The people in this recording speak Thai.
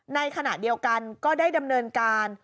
ในขณะเดียวกันก็ได้ดำเนินการ